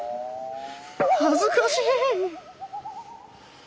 恥ずかしい！